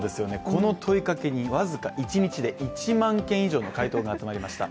この問いかけに僅か１日で１万件以上の回答が集まりました。